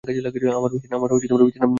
আমার বিছানা পরিষ্কার করো।